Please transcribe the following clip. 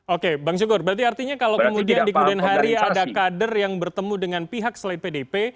oke bang syukur berarti artinya kalau kemudian di kemudian hari ada kader yang bertemu dengan pihak selain pdp